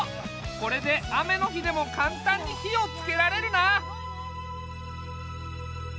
これで雨の日でもかんたんに火をつけられるな！